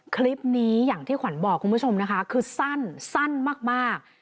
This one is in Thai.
คลิปนี้อย่างที่ขวัญบอกคุณผู้ชมนะคะคือสั้นสั้นมาก